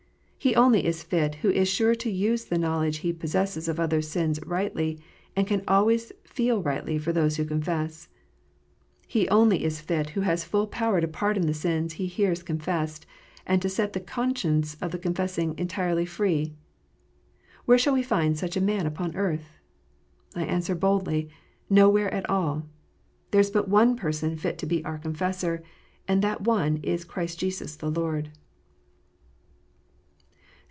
He only is fit who is sure to use the knowledge He possesses of others sins rightly, and can always feel rightly for those who confess. He only is fit who has full power to pardon the sins he hears confessed, and to set the conscience of the confessing entirely free. Where shall we find such a man upon earth? I answer boldly, Nowhere at all! There is but one Person fit to be our Con fessor, and that one is Christ Jesus the Lord.